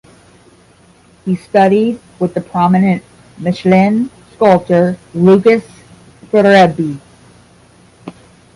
He studied with the prominent Mechelen sculptor Lucas Faydherbe.